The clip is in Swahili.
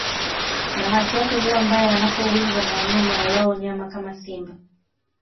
Bahati yake huwa mbaya anapowindwa na wanyama walao nyama kama simba